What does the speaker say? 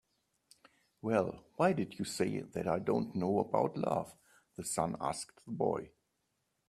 "Well, why did you say that I don't know about love?" the sun asked the boy.